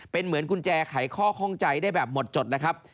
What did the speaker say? เป็นเหมือนกุญแจไขข้อข้องใจได้แบบหมดจดนะครับ